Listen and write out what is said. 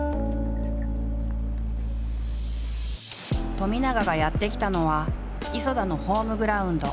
冨永がやって来たのは磯田のホームグラウンド